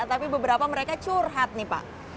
tapi beberapa mereka curhat nih pak